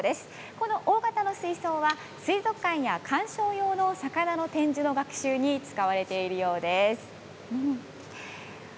この大型の水槽は水族館や観賞用の魚の展示の学習に使われているようです。